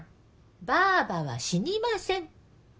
ばあばは死にません。